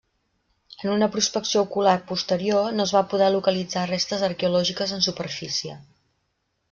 En una prospecció ocular posterior no es va poder localitzar restes arqueològiques en superfície.